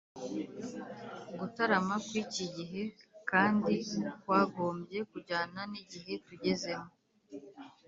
gutarama kw’iki gihe kandi kwagombye kujyana n’igihe tugezemo